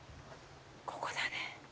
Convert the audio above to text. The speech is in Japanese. ここだね。